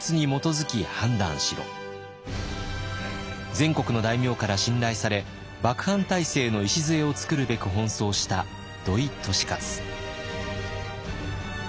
全国の大名から信頼され幕藩体制の礎をつくるべく奔走した土井利勝。